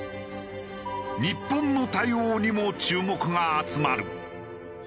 日本の対応にも注目が集まる。